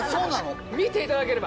見ていただければ。